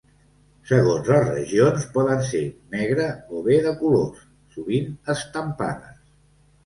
Segons les regions poden ser negre o bé de colors, sovint estampades.